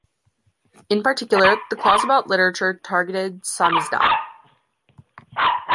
In particular, the clause about literature targeted "samizdat".